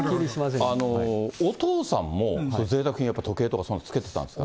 お父さんもぜいたく品、やっぱり時計とかそういうのつけてたんですか。